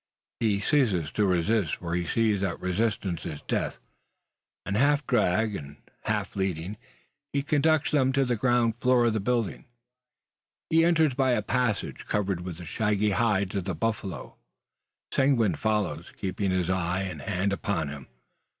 He ceases to resist, for he sees that resistance is death; and half dragged, half leading, he conducts them to the ground floor of the building. He enters by a passage covered with the shaggy hides of the buffalo. Seguin follows, keeping his eye and hand upon him.